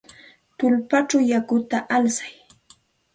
Tullpachaw yakuta alsay.